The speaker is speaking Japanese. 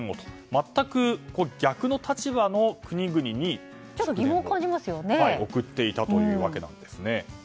全く逆の立場の国々に、祝電を送っていたというわけですね。